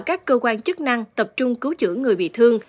các cơ quan chức năng tập trung cứu chữa người bị thương